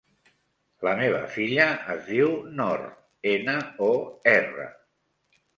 La meva filla es diu Nor: ena, o, erra.